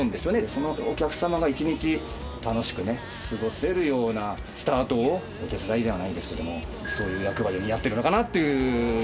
そのお客様が一日、楽しく過ごせるようなスタートをお手伝いじゃないですけど、そういう役割を担っているのかなという。